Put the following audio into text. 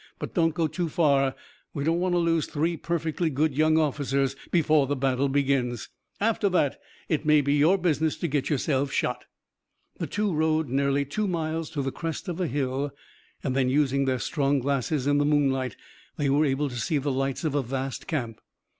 But don't go too far. We don't want to lose three perfectly good young officers before the battle begins. After that it may be your business to get yourselves shot." The two rode nearly two miles to the crest of a hill and then, using their strong glasses in the moonlight, they were able to see the lights of a vast camp.